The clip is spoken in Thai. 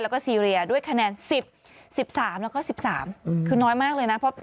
แล้วก็ซีเรียด้วยคะแนน๑๐๑๓แล้วก็๑๓คือน้อยมากเลยนะ